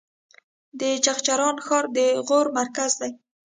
د چغچران ښار د غور مرکز دی